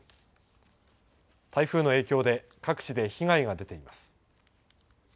台風の影響で各地で被害が出ています。